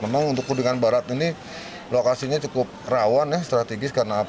memang untuk kuningan barat ini lokasinya cukup rawan ya strategis karena apa